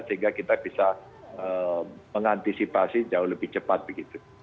sehingga kita bisa mengantisipasi jauh lebih cepat begitu